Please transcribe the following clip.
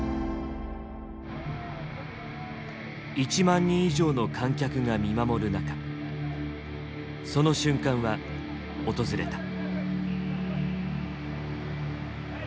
１万人以上の観客が見守る中その瞬間は訪れた。